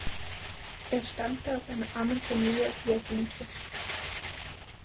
Er stammte aus einer armen Familie aus Jesenice.